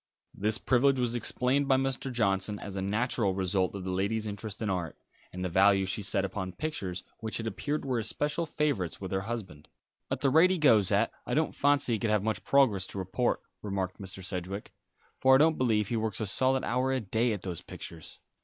This privilege was explained by Mr. Johnson as a natural result of the lady's interest in art, and the value she set upon pictures which it appeared were especial favourites with her husband. "At the rate he goes at it, I don't fancy he can have much progress to report," remarked Mr. Sedgewick, "for I don't believe he works a solid hour a day at those pictures.